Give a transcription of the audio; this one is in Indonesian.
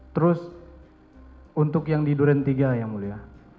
terus untuk yang di duren tiga yang mulia